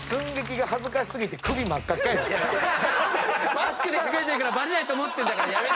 マスクで隠れてるからバレないと思ってんだから。